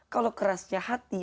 kalau kerasnya hati